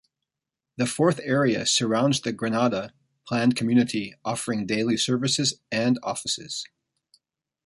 The fourth area surrounds the Gananda planned community offering daily services and offices.